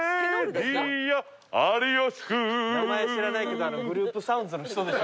名前知らないけどグループサウンズの人でしょうね。